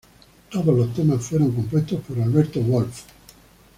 Todos los temas fueron compuestos por Alberto Wolf.